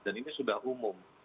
dan ini sudah umum